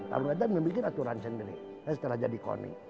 tarung deraja memiliki aturan sendiri setelah jadi koni